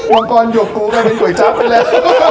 วังกรยกกูก็เป็นกล้วยจับไปแล้ว